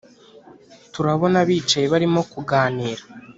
turabona bicaye barimo kuganira